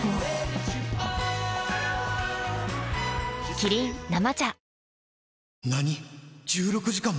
キリン「生茶」